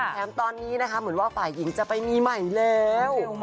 แถมตอนนี้นะคะเหมือนว่าฝ่ายหญิงจะไปมีใหม่แล้ว